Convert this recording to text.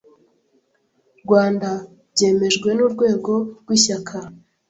Rwanda byemejwe n Urwego rw Ishyaka